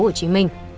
hồ chí minh